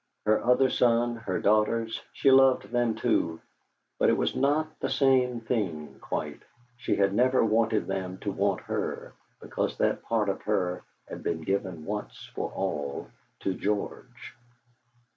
Her other son, her daughters, she loved them too, but it was not the same thing, quite; she had never wanted them to want her, because that part of her had been given once for all to George.